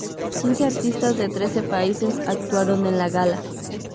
Quince artistas de trece países actuaron en la gala.